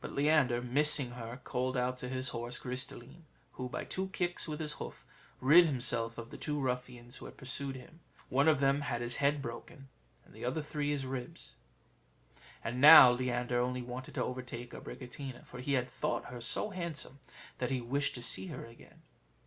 But Leander, missing her, called out to his horse Gris de line; who, by two kicks with his hoof, rid himself of the two ruffians who had pursued him: one of them had his head broken; and the other, three of his ribs. And now Leander only wanted to overtake Abricotina; for he had thought her so handsome that he wished to see her again.